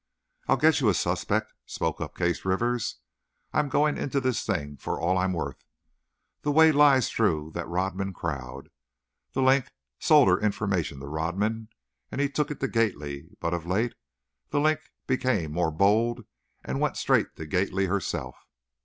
"I'll get you a suspect," spoke up Case Rivers. "I'm going into this thing for all I'm worth. The way lies through the Rodman crowd. 'The Link' sold her information to Rodman and he took it to Gately, but of late, 'The Link' became more bold and went straight to Gately herself.